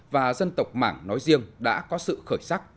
và dân tộc mảng nói riêng đã có sự khởi sắc